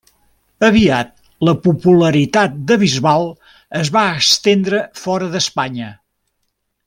Aviat la popularitat de Bisbal es va estendre fora d'Espanya.